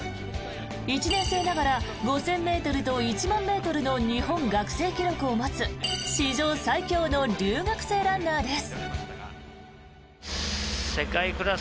１年生ながら５０００ｍと１００００ｍの日本学生記録を持つ史上最強の留学生ランナーです。